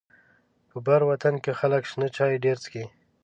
په بر وطن کې خلک شنه چای ډيره څکي.